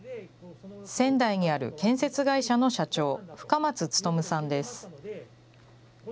仙台にある建設会社の社長、深松努さんです。